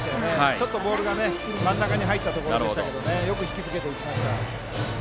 ちょっとボールが真ん中に入ったところでしたがよく引きつけて打ちました。